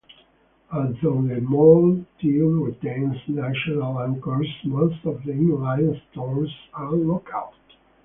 Although the mall still retains national anchors, most of the in-line stores are local.